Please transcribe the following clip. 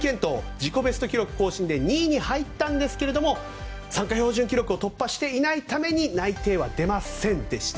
自己ベスト記録更新で２位に入りましたが参加標準記録を突破していないために内定は出ませんでした。